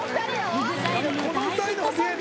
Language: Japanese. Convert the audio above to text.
ＥＸＩＬＥの大ヒットソング